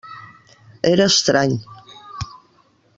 Era estrany.